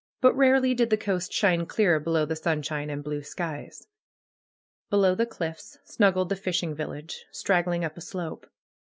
But rarely did the coast shine clear below the sunshine and blue skies. Below the cliffs snuggled the fishing village, strag gling up a slope.